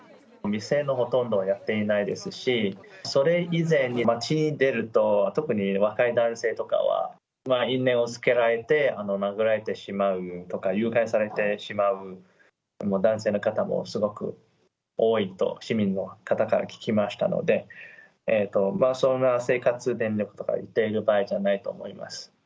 店のほとんどがやっていないですし、それ以前に街に出ると、特に若い男性とかは、因縁をつけられて殴られてしまうとか、誘拐されてしまう男性の方もすごく多いと、市民の方から聞きましたので、そんな生活、電力とか言ってる場合じゃないと思います。